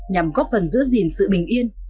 nhằm góp phần giữ gìn sự bình yên